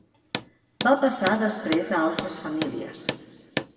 Va passar després a altres famílies.